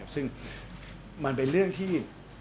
ซึ่งมันเป็นเรื่องที่